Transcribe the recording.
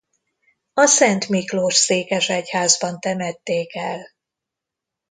A Szent Miklós-székesegyházban temették el.